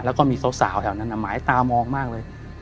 และมีสาวสาวไหนมายตามองมากเลย